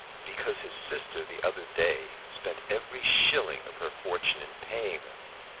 "Because his sister the other day spent every shilling of her fortune in paying them.